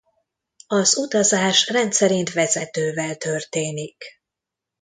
Az utazás rendszerint vezetővel történik.